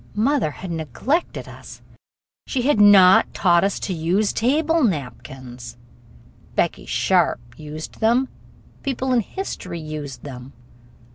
Mother had neglected us she had not taught us to use table napkins! Becky Sharp used them. People in history used them.